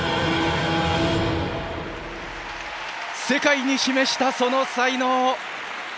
世界に示した、その才能！